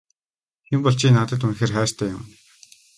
Тийм бол чи надад үнэхээр хайртай юм уу?